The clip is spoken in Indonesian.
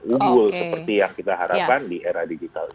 ugul seperti yang kita harapkan di era digital